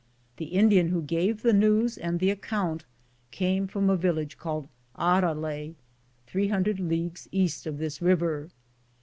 The Indian who gave the news and the account came from a vil lage called Harale, 300 leagues east of this river.